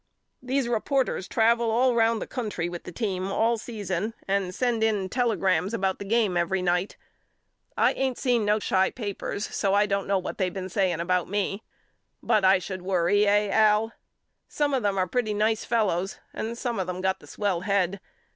These reporters travel all round the country with the team all season and send in telegrams 32 YOU KNOW ME AL about the game every night. I ain't seen no Chi papers so I don't know what they been saying about me. But I should worry eh Al? Some of them are pretty nice fellows and some of them got the swell head.